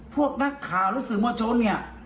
พวกนักข่าวหรือสื่อมวลชนเนี่ย